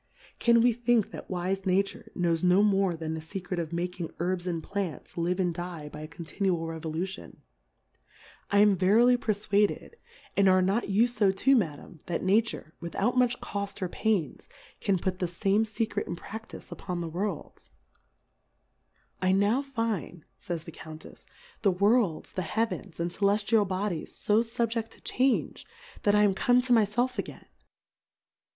Can we think that wife Nature knows no more than the Secret of making Herbs and Plants live and die by a con^ tinual Plurality (^/WORLDS. 163 tinual Revolution ? I am verily per fwaded, and are not you fo too, Madam, that Nature, without much Coft or Pains, can put the fame Secret in Pra ftice upon the Worlds ? I now find, fays the Count efs^ the Worlds, the Heavens, and Celeftial Bodies fo fubjecl to change, that I am come to my felf again.